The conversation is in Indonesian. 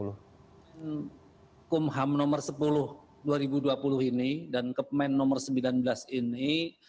hukum ham nomor sepuluh dua ribu dua puluh ini dan kemen nomor sembilan belas ini